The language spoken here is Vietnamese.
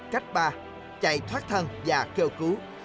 cách ba chạy thoát thân và kêu cứu